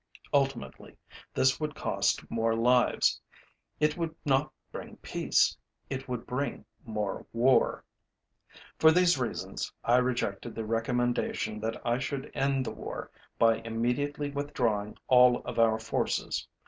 Ultimately, this would cost more lives. It would not bring peace. It would bring more war. For these reasons I rejected the recommendation that I should end the war by immediately withdrawing all of our forces.